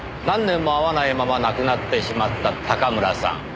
何年も会わないまま亡くなってしまった高村さん。